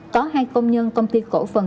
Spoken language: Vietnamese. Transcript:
có hai công nhân công ty cổ phần